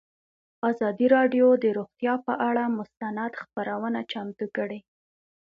ازادي راډیو د روغتیا پر اړه مستند خپرونه چمتو کړې.